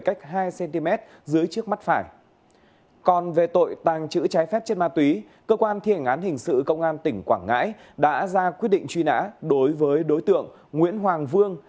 cơ quan cảnh sát điều tra công an huyện duy xuyên của tỉnh quảng nam đã ra quy định truy nã đối với đối tượng nguyễn hoàng vương